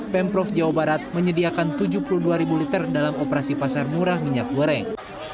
pemprov jawa barat menyediakan tujuh puluh dua liter dalam operasi pasar murah minyak goreng